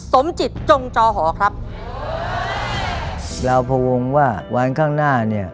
สมจิตจงจอหอครับเราพวงว่าวันข้างหน้าเนี่ย